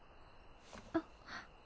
あっ。